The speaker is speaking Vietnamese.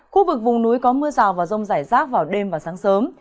khu vực vùng núi có mưa rào và rông rải rác vào đêm và sáng sớm